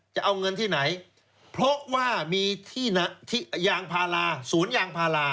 จะเอาเงินที่ไหนเพราะว่ามีที่ยางพาราสวนยางพารา